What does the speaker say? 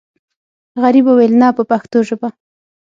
غریب وویل نه په پښتو ژبه.